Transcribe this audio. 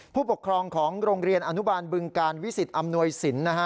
ผู้ปกครองของโรงเรียนอนุบาลบึงการวิสิตอำนวยสินนะฮะ